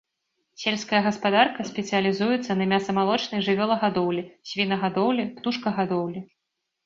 Сельская гаспадарка спецыялізуецца на мяса-малочнай жывёлагадоўлі, свінагадоўлі, птушкагадоўлі.